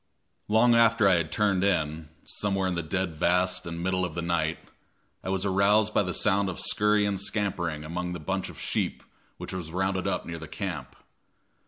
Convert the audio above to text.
Long after I had turned in, somewhere in the dead vast and middle of the night, I was aroused by the sound of scurry and scampering among the bunch of sheep which was rounded up near the camp.